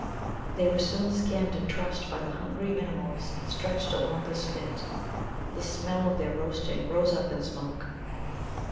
They were soon skinned and trussed by the hungry Minimuls, and stretched along the spit. The smell of their roasting rose up in smoke.